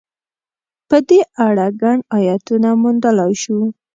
په دې اړه ګڼ ایتونه موندلای شو.